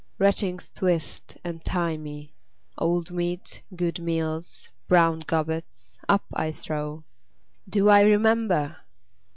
Retchings twist and tie me, Old meat, good meals, brown gobbets, up I throw. Do I remember?